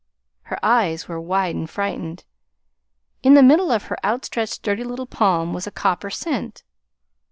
Her eyes were wide and frightened. In the middle of her outstretched dirty little palm was a copper cent.